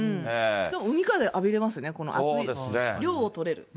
しかも海風浴びれますね、この暑い、涼をとれる。